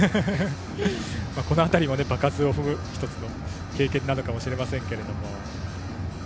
この辺りも場数を踏む経験なのかもしれませんけども。